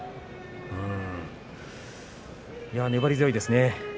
粘り強いですね。